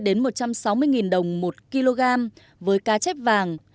giá đậu từ khoảng một trăm năm mươi đến một trăm sáu mươi nghìn đồng một kg với cá chép vàng